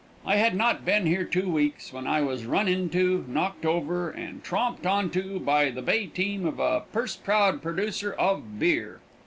I had not been here two weeks when I was run into, knocked over and tromped onto by the bay team of a purse proud producer of beer.